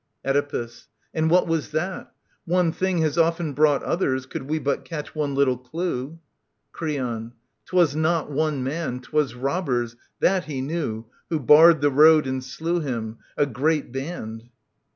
Oedipus. And what was that ? One thing has often brought Others, could we but catch one little clue. Creon. 'Twas not one man, *twas robbers — that he knew — Who barred the road and slew him : a great band.